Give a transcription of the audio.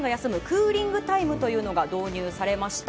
クーリングタイムが導入されました。